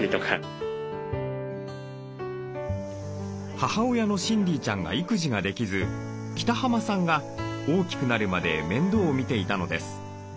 母親のシンディーちゃんが育児ができず北濱さんが大きくなるまで面倒を見ていたのです。